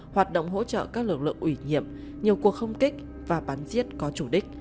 hoạt động hỗ trợ các lực lượng ủy nhiệm nhiều cuộc không kích và bắn giết có chủ đích